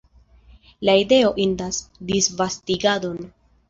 La ideo indas disvastigadon!